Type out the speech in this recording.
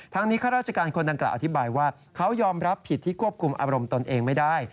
ทั้งนี้ข้าราชการคนดังกล่าวอธิบายว่าเขายอมรับผิดที่ควบคุมอารมณ์ตนเองไม่ได้